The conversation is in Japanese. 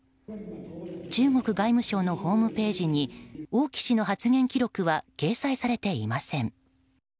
中国外務省のホームページに王毅氏の発言記録は掲載されていません。